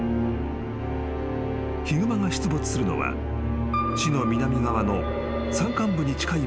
［ヒグマが出没するのは市の南側の山間部に近い場所がほとんど］